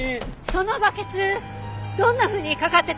そのバケツどんなふうに掛かってたんですか？